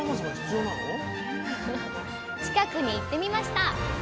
近くに行ってみました！